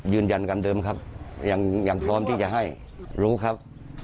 ยืนยันตามเดิมครับยังพร้อมที่จะให้รู้ครับ